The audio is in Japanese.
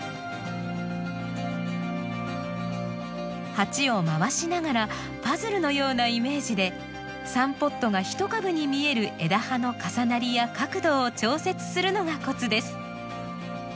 鉢を回しながらパズルのようなイメージで３ポットが１株に見える枝葉の重なりや角度を調節するのがコツです。